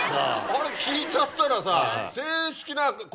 あれ聞いちゃったらさ。